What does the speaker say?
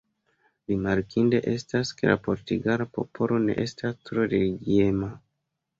Rimarkinde estas ke la portugala popolo ne estas tro religiema.